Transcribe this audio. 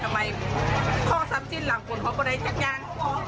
ทำไมข้องสำจิ้นหลังขวนเขาก็ได้จัดงาน